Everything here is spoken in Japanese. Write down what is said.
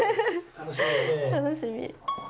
楽しみ。